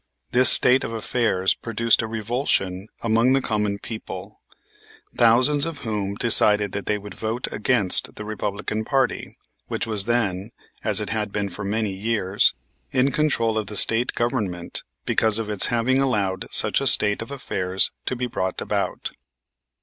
This state of affairs produced a revulsion among the common people; thousands of whom decided that they would vote against the Republican party, which was then, as it had been for many years, in control of the State Government because of its having allowed such a state of affairs to be brought about.